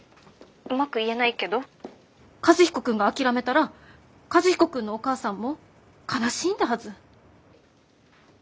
☎うまく言えないけど和彦君が諦めたら和彦君のお母さんも悲しいんだはず。